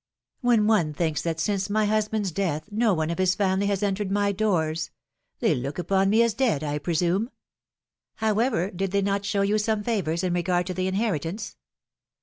When one thinks that since my husband's death, no one of his family has entered my doors ! They look upon me as dead, I presume." '^However, did they not show you some favors in regard to the inheritance?"